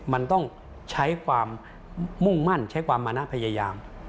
มันต้องใช้ความมุ่งมั่นใช้ความมานะพยายาม